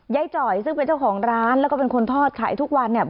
จ่อยซึ่งเป็นเจ้าของร้านแล้วก็เป็นคนทอดขายทุกวันเนี่ย